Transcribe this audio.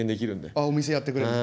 あお店やってくれるの？